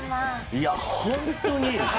いや、本当に。